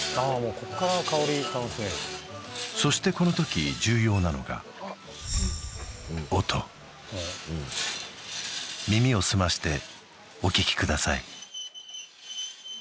こっから香り楽しめるそしてこの時重要なのが耳を澄ましてお聞きください